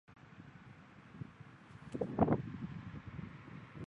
此外异黄酮作为前体的发展植物抗毒素在植物微生物的相互作用。